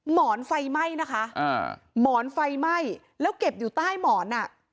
หมอนไฟไหม้นะคะอ่าหมอนไฟไหม้แล้วเก็บอยู่ใต้หมอนอ่ะ